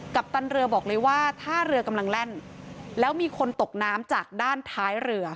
ปตันเรือบอกเลยว่าถ้าเรือกำลังแล่นแล้วมีคนตกน้ำจากด้านท้ายเรือ